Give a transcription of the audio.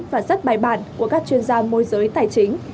và rất bài bản của các chuyên gia môi giới tài chính